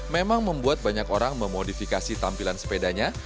memang membuat banyak orang memodifikasi tampilan sepedanya